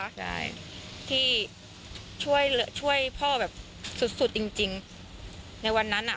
กู้ไผ่ที่ช่วยพ่อแบบสุดจริงในวันนั้น